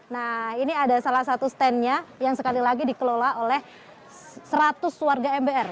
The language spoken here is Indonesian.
nah ini ada salah satu standnya yang sekali lagi dikelola oleh seratus warga mbr